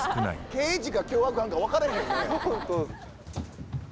刑事か凶悪犯か分からへんね。